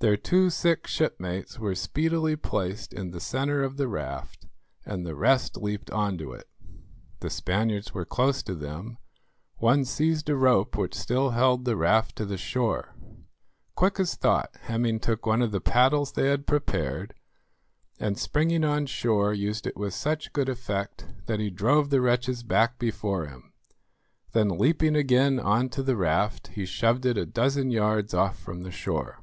Their two sick shipmates were speedily placed in the centre of the raft, and the rest leaped on to it. The Spaniards were close to them; one seized a rope which still held the raft to the shore. Quick as thought Hemming took one of the paddles they had prepared, and springing on shore, used it with such good effect that he drove the wretches back before him, then leaping again on to the raft, he shoved it a dozen yards off from the shore.